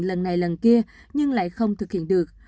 lần này lần kia nhưng lại không thực hiện được